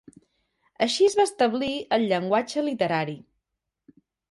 Així es va establir el llenguatge literari.